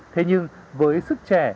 thế nhưng với sức trẻ